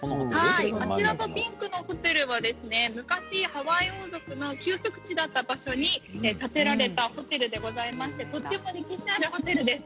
こちらのピンクのホテルは昔ハワイ王族の休息地だった場所に建てられたホテルでございましてとても歴史のあるホテルです。